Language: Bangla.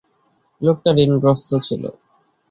লোকটা ঋণগ্রস্থ ছিল।